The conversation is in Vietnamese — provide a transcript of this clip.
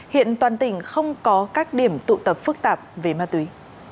hiện toàn tỉnh không có các điểm tụ tập phức tạp về ma túy